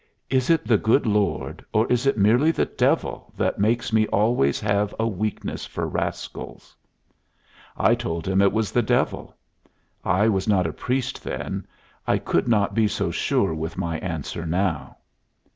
'Is it the good Lord, or is it merely the devil, that makes me always have a weakness for rascals?' I told him it was the devil. I was not a priest then. I could not be so sure with my answer now."